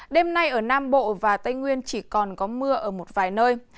đêm nay ở nam bộ và tây nguyên chỉ còn có mưa ở một vài nơi